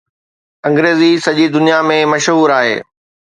انگريزي سڄي دنيا ۾ مشهور آهي